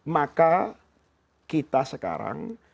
maka kita sekarang